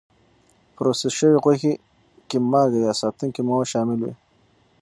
پروسس شوې غوښې کې مالکه یا ساتونکي مواد شامل وي.